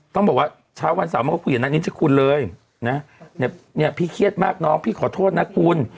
ต้องบอกว่าเช้าวันเสาร์มันก็คุยกับนักนิชคุณเลยนะเนี่ยพี่เครียดมากน้องพี่ขอโทษนะคุณ